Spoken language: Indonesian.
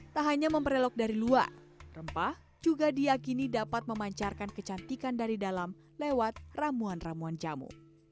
tak hanya memperelok dari luar rempah juga diakini dapat memancarkan kecantikan dari dalam lewat ramuan ramuan jamu